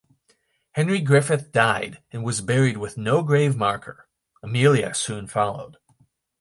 Henry Griffith died and was buried with no grave marker; Amelia soon followed.